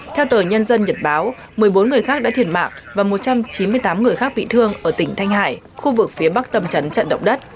theo tờ nhân dân nhật báo một mươi bốn người khác đã thiệt mạng và một trăm chín mươi tám người khác bị thương ở tỉnh thanh hải khu vực phía bắc tâm trấn trận động đất